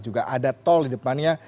juga ada tol di depannya